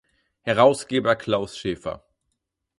Herausgeber Klaus Schäfer.